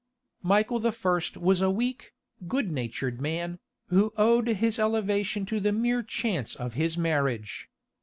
Michael I. was a weak, good natured man, who owed his elevation to the mere chance of his marriage.